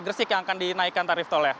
gresik yang akan dinaikkan tarif tolnya